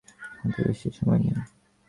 হাতে বেশি সময় নেই।